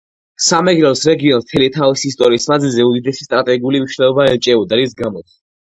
სამეგრელოს რეგიონს მთელი თავისი ისტორიის მანძილზე უდიდესი სტრატეგიული მნიშვნელობა ენიჭებოდა, რის გამოც